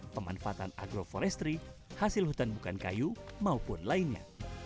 pemanfaatan agroforestry hasil hutan bukan kayu maupun lainnya